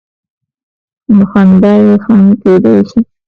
نو خندا یې خنډ کېدای شي.